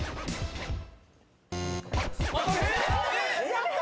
やった！